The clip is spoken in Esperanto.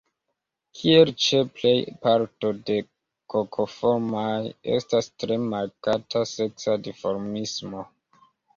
Kiel ĉe plej parto de Kokoformaj, estas tre markata seksa dimorfismo.